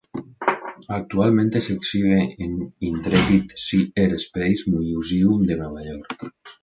Actualmente se exhibe en Intrepid Sea-Air-Space Museum de Nueva York.